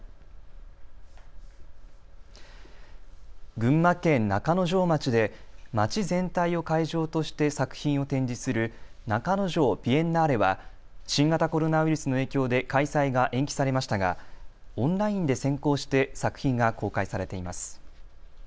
群馬県中之条町で町全体を会場として作品を展示する中之条ビエンナーレは新型コロナウイルスの影響で開催が延期されましたがオンラインで先行して作品が公開されています。